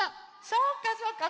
そうかそうか。